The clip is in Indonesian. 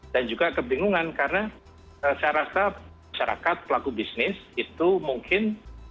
dan juga kebingungan karena saya rasa masyarakat pelaku bisnis itu mungkin